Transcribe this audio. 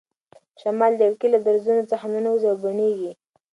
شمال د کړکۍ له درزونو څخه ننوځي او بڼیږي.